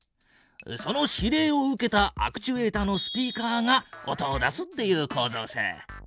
その指令を受けたアクチュエータのスピーカーが音を出すっていうこうぞうさ。